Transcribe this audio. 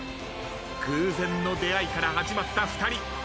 偶然の出合いから始まった２人。